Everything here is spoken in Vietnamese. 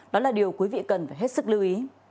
đó là điều quý vị cần phải hết sức lưu ý